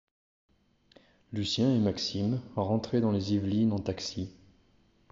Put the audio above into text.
Lucien et Maxime rentraient dans les Yvelines en taxi.